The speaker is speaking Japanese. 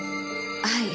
はい。